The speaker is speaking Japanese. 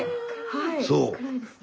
そう。